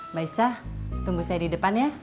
mbak isah tunggu saya di depan ya